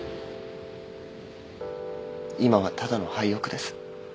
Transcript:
今はただの廃屋です。